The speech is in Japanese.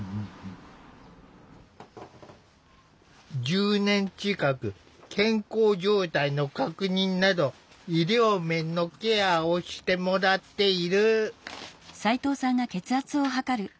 １０年近く健康状態の確認など医療面のケアをしてもらっている。